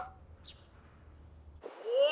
おい！